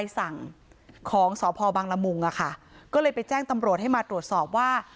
สภบางรมุงค่ะก็เลยไปแจ้งตำรวจให้มาตรวจสอบว่า